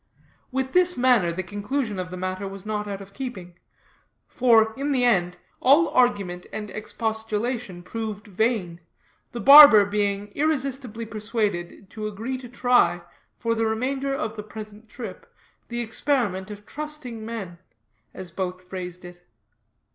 With this manner the conclusion of the matter was not out of keeping; for, in the end, all argument and expostulation proved vain, the barber being irresistibly persuaded to agree to try, for the remainder of the present trip, the experiment of trusting men, as both phrased it.